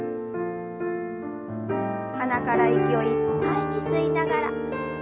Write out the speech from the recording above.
鼻から息をいっぱいに吸いながら腕を上に。